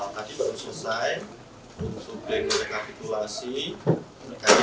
tadi baru selesai untuk rekapitulasi